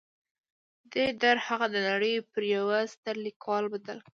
دې درد هغه د نړۍ پر یوه ستر لیکوال بدل کړ